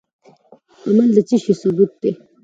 عمل د څه شي ثبوت دی؟